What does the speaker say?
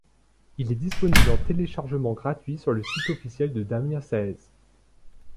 Il est disponible en téléchargement gratuit sur le site officiel de Damien Saez.